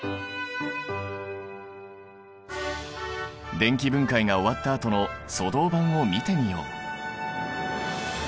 電気分解が終わったあとの粗銅板を見てみよう。